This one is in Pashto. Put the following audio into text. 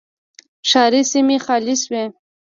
ښاري سیمې خالي شوې